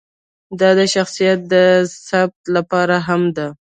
دا د شخصیت د تثبیت لپاره هم ده.